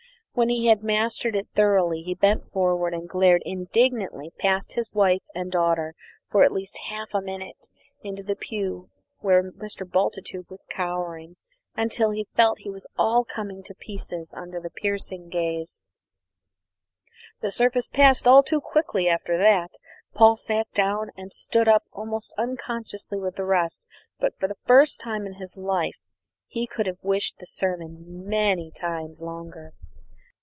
When he had mastered it thoroughly, he bent forward and glared indignantly past his wife and daughter for at least half a minute into the pew where Mr. Bultitude was cowering, until he felt that he was coming all to pieces under the piercing gaze. The service passed all too quickly after that. Paul sat down and stood up almost unconsciously with the rest; but for the first time in his life he could have wished the sermon many times longer.